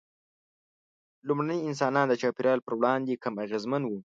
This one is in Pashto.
لومړني انسانان د چاپېریال پر وړاندې کم اغېزمن وو.